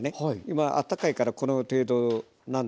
今あったかいからこの程度なんですよ。